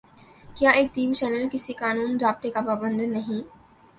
کیا ایک T V channel کسی قانون ضابطے کا پابند نہیں؟